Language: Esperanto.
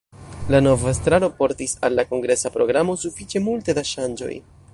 La nova estraro portis al la kongresa programo sufiĉe multe da ŝanĝoj.